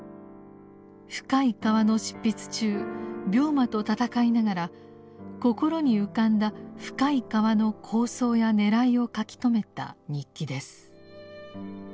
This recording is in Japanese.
「深い河」の執筆中病魔と闘いながら心に浮かんだ「深い河」の構想やねらいを書き留めた日記です。